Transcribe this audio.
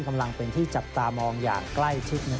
กำลังเป็นที่จับตามองอย่างใกล้ชิด